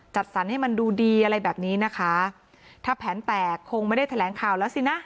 จัดสรรให้มันดูดีอะไรแบบนี้นะคะถ้าแผนแตกคงไม่ได้แถลงข่าวแล้วสินะ